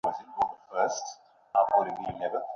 এই-সমস্ত দ্বিধায় কলিকাতায় যাত্রার দিন পিছাইয়া যাইতে লাগিল।